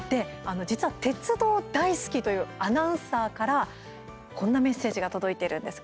実は鉄道大好きというアナウンサーからこんなメッセージが届いているんです。